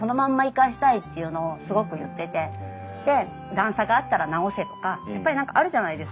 段差があったら直せとかやっぱり何かあるじゃないですか。